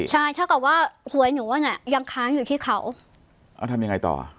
ใช่เท่ากับว่าหัวหนูว่าน่ะยังค้างอยู่ที่เขาเอาทำยังไงต่อ